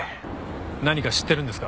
何か知ってるんですか？